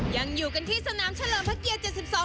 ยังอยู่กันที่สนามเฉลิมพระเกียรติ๗๒